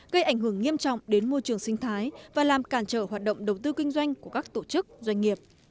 gây ảnh hưởng nghiêm trọng đến môi trường sinh thái và làm cản trở hoạt động đầu tư kinh doanh của các tổ chức doanh nghiệp